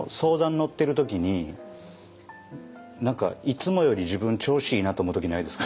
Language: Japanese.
乗ってる時に何かいつもより自分調子いいなと思う時ないですか？